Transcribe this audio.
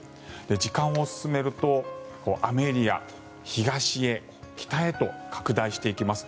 時間を進めると雨エリア、東へ北へと拡大していきます。